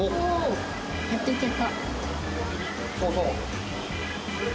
そうそう！